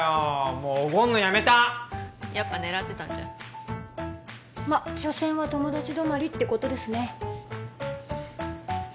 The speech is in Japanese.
もうおごんのやめたやっぱ狙ってたんじゃんまっしょせんは友達止まりってことですね